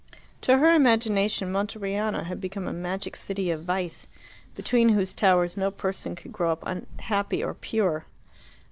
To her imagination Monteriano had become a magic city of vice, beneath whose towers no person could grow up happy or pure.